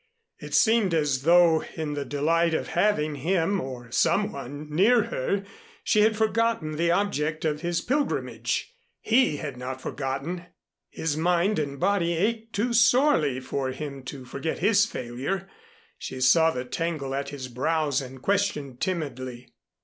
It seemed as though in the delight of having him (or some one) near her, she had forgotten the object of his pilgrimage. He had not forgotten. His mind and body ached too sorely for him to forget his failure. She saw the tangle at his brows and questioned timidly.